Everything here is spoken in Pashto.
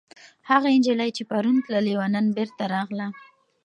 هغه نجلۍ چې پرون تللې وه، نن بېرته راغله.